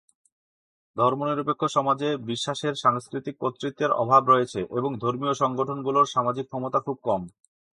ধর্মনিরপেক্ষ সমাজে বিশ্বাসের সাংস্কৃতিক কর্তৃত্বের অভাব রয়েছে এবং ধর্মীয় সংগঠনগুলোর সামাজিক ক্ষমতা খুব কম।